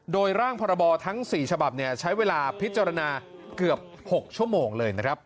โดยร่างพรบทั้ง๔ฉบับใช้เวลาพิจารณาเกือบ๖ชั่วโมงเลยนะครับ